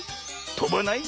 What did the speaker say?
とばない？